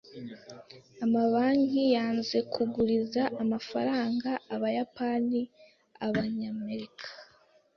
Amabanki yanze kuguriza amafaranga Abayapani-Abanyamerika.